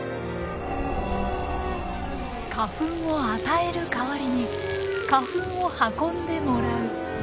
花粉を与える代わりに花粉を運んでもらう。